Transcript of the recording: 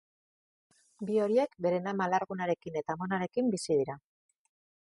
Bi horiek beren ama alargunarekin eta amonarekin bizi dira.